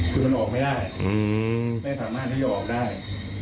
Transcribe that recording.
คือมันออกไม่ได้ไม่สามารถที่จะออกได้